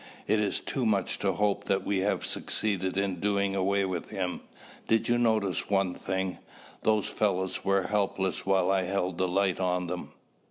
It is too much to hope that we have succeeded in doing away with him. Did you notice one thing? Those fellows were helpless while I held the light on them.